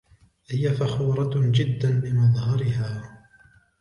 هي فخورة جدا بمظهرها.